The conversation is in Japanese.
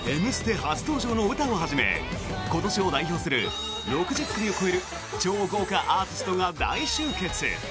初登場のウタをはじめ今年を代表する、６０組を超える超豪華アーティストが大集結！